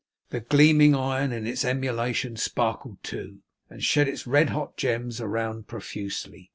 The gleaming iron, in its emulation, sparkled too, and shed its red hot gems around profusely.